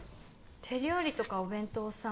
手料理とかお弁当をさ